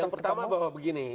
yang pertama bahwa begini